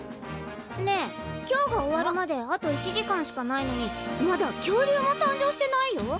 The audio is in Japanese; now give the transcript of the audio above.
ねえ今日が終わるまであと１時間しかないのにまだ恐竜も誕生してないよ。